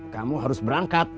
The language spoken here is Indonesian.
kamu harus berangkat